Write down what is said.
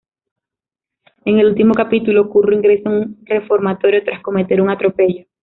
En el último capítulo, Curro ingresa en un reformatorio tras cometer un atropello.